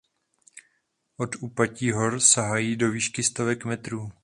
Od úpatí hor sahají do výšky stovek metrů.